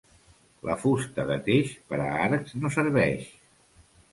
La fusta de teix per a arcs no serveix.